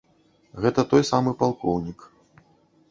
Гэта той самы палкоўнік.